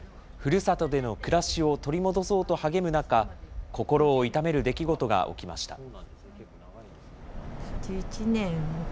ふるさとでの暮らしを取り戻そうと励む中、心を痛める出来事が起きました。